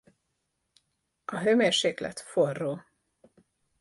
A hőmérséklet forró.